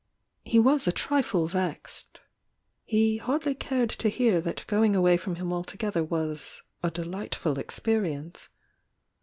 He was a trifle vexed. He hardly cared to hear that going away from him altogether was "a de lightful experience."